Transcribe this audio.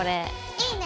いいね！